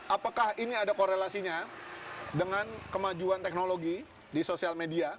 apakah ini ada korelasinya dengan kemajuan teknologi di sosial media